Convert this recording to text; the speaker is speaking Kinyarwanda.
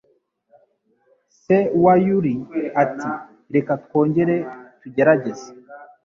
Se wa Yully ati: "Reka twongere tugerageze."